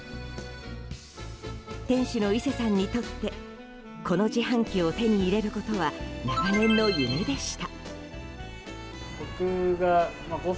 店主の伊勢さんにとってこの自販機を手に入れることは長年の夢でした。